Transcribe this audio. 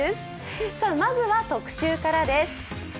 まずは特集からです。